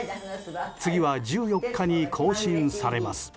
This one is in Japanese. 次は１４日に更新されます。